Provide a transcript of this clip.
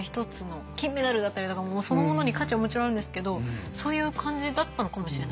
金メダルだったりとかもうそのものに価値はもちろんあるんですけどそういう感じだったのかもしれないですね。